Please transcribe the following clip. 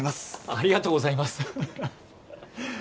ありがとうございますはははっ。